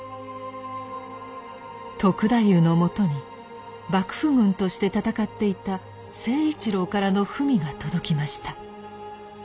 篤太夫のもとに幕府軍として戦っていた成一郎からの文が届きました。